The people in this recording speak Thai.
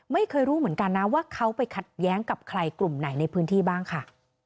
ไม่รู้เหมือนกันนะว่าเขาไปขัดแย้งกับใครกลุ่มไหนในพื้นที่บ้างค่ะ